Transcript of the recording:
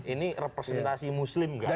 ini representasi muslim tidak